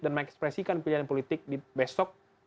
dan mengekspresikan pilihan politik di besok